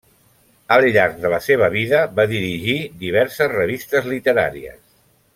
Al llarg de la seva vida, va dirigir diverses revistes literàries.